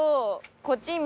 こっち。